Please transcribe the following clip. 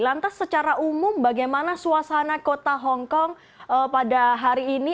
lantas secara umum bagaimana suasana kota hongkong pada hari ini